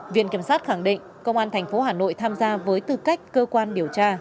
viện kiểm sát khẳng định công an tp hà nội tham gia với tư cách cơ quan điều tra